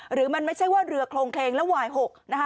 หรือมันไม่ใช่ว่าเรือโครงเครงแล้วไวน์หก